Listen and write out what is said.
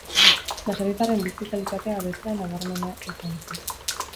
Baserritarren bizi-kalitatea hobetzea nabarmena izan zen.